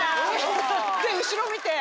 後ろ見て。